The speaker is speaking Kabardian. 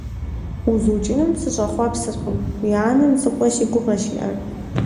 УзукӀыным сыщӀэхъуэпсыркъым, уи анэм зы къуэ си гугъэщ иӀэр…